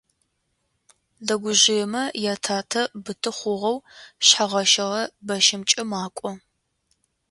Дэгужъыемэ ятатэ быты хъугъэу шъхьэгъэщыгъэ бэщымкӏэ макӏо.